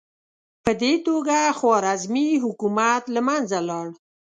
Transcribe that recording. په دې توګه خوارزمي حکومت له منځه لاړ.